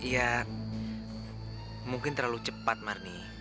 ya mungkin terlalu cepat marni